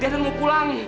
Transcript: deren mau pulang